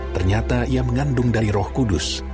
ternyata ia mengandung dari roh kudus